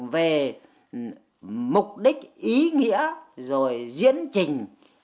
về mục đích ý nghĩa rồi diễn trình